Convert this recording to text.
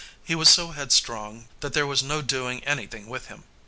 He was so headstrong that there was no doing anything with him.